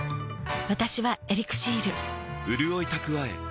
私は「エリクシール」